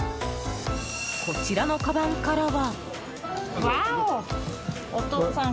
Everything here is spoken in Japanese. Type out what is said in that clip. こちらのかばんからは。